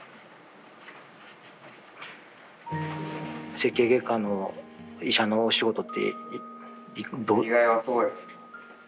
整形外科の医者のお仕事って。